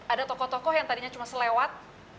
ada tokoh tokoh yang tadinya cuma selewat